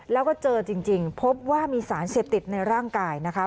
แล้วก็เจอจริงพบว่ามีสารเสพติดในร่างกายนะคะ